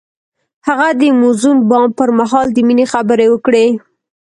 هغه د موزون بام پر مهال د مینې خبرې وکړې.